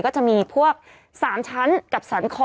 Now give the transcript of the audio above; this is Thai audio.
ก็จะมีพวก๓ชั้นกับสันคอ